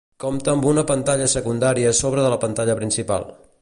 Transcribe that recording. Compta amb una pantalla secundària a sobre de la pantalla principal.